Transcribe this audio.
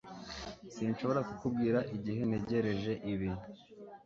Sinshobora kukubwira igihe ntegereje ibi